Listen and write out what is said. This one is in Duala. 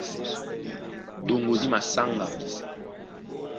Ɗoŋgo dí masáŋga.